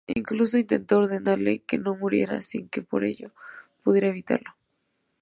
Incluso intentó ordenarle que no muriera, sin que por ello pudiera evitarlo.